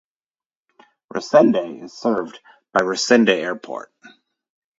Resende is served by Resende Airport.